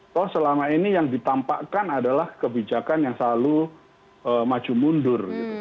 toh selama ini yang ditampakkan adalah kebijakan yang selalu maju mundur